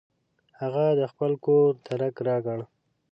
هغه د خپل کور درک راکړ.